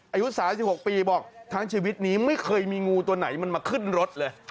อายุ๓๖ปีบอกทั้งชีวิตนี้ไม่เคยมีงูตัวไหนมันมาขึ้นรถเลย